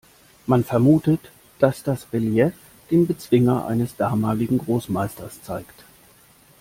Man vermutet, dass das Relief den Bezwinger eines damaligen Großmeisters zeigt.